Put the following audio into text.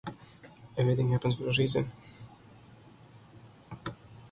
There were also recreation facilities provided such as a bowling alley.